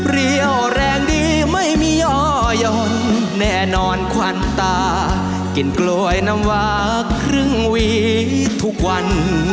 เรี่ยวแรงดีไม่มีย่อยนแน่นอนควันตากินกล้วยน้ำวาครึ่งหวีทุกวัน